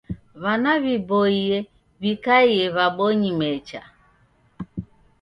W'ana w'iboie w'ikaie w'abonyi mecha.